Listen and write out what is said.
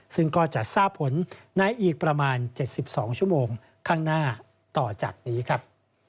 ซึ่งก็จะทราบผลในอีกประมาณ๗๒ชั่วโมงข้างหน้าต่อจากนี้ครับ